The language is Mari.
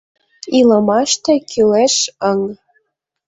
Илымаште кӱлеш ыҥ.